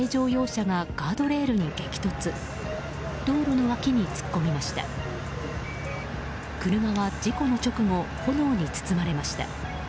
車は事故の直後炎に包まれました。